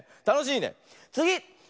つぎ！